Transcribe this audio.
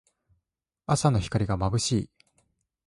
朝の光がまぶしい。